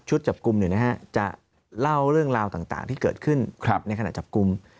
ชุดจับกลุ่มเนี่ยนะครับจะเล่าเรื่องราวต่างที่เกิดขึ้นในขณะจับกลุ่ม